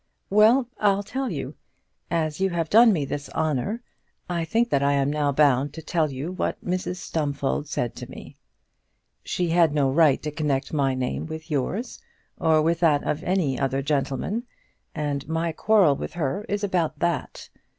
"Well, I'll tell you. As you have done me this honour, I think that I am now bound to tell you what Mrs Stumfold said to me. She had no right to connect my name with yours or with that of any other gentleman, and my quarrel with her is about that.